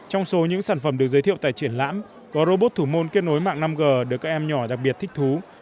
trong số những sản phẩm được giới thiệu tại triển lãm có robot thủ môn kết nối mạng năm g được các em nhỏ đặc biệt thích thú